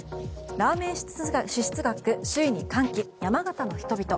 ラーメン支出額首位に歓喜山形の人々。